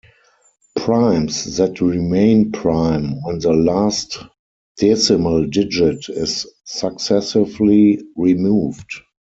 Primes that remain prime when the last decimal digit is successively removed.